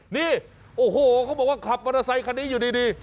นี่โอ้โหเขาบอกว่าขับมอเตอร์ไซคันนี้อยู่ดี